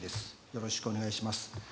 よろしくお願いします。